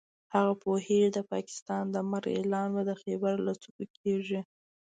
هغه پوهېږي د پاکستان د مرګ اعلان به د خېبر له څوکو کېږي.